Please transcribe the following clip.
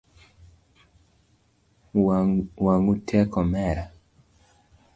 Wangu tek omera